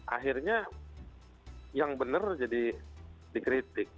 akhirnya yang benar jadi dikritik